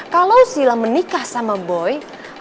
kalau sila menikah sama boy